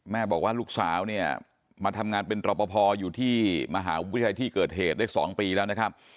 บอกว่าลูกสาวเนี่ยมาทำงานเป็นรอปภอยู่ที่มหาวิทยาลัยที่เกิดเหตุได้๒ปีแล้วนะครับ